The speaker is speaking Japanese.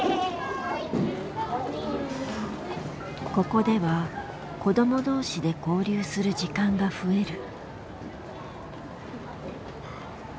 ここでは子ども同士で交流する時間が増える。